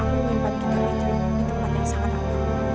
aku menyimpan kitab itu di tempat yang sangat aman